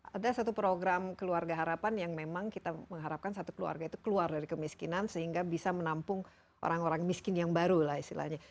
jadi ini adalah program keluarga harapan yang memang kita mengharapkan satu keluarga itu keluar dari kemiskinan sehingga bisa menampung orang orang miskin yang baru lah istilahnya